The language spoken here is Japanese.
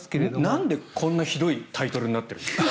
なんでひどいタイトルになっているんですか。